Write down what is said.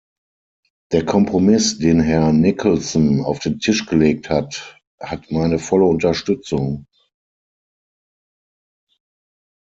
Der Kompromiss, den Herr Nicholson auf den Tisch gelegt hat, hat meine volle Unterstützung.